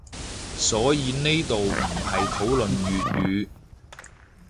所以呢度唔係討論粵語